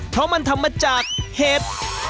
เพราะมันทำมาจากเห็ด